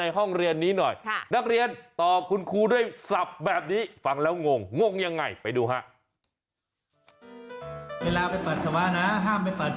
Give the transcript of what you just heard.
ในห้องเรียนนี้หน่อยนักเรียนตอบคุณครูด้วยศัพท์แบบนี้ซื้อแบบนี้